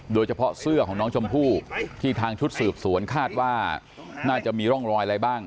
โดยเฉพาะเสื้อของน้องชมพู่ที่ทางชุดสืบสวนคาดว่าน่าจะมีร่องรอยอะไรบ้าง